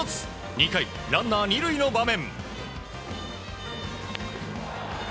２回、ランナー２塁の場面。